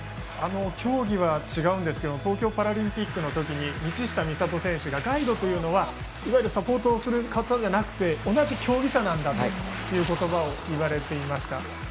競技は違うんですが東京パラリンピックのときに道下選手がガイドは、いわゆるサポートをする方じゃなくて同じ競技者なんだといわれていました。